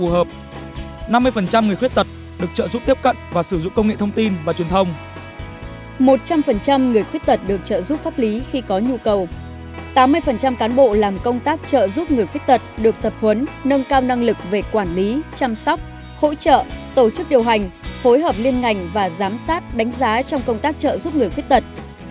hỗ trợ tổ chức điều hành phối hợp liên ngành và giám sát đánh giá trong công tác trợ giúp người khuyết tật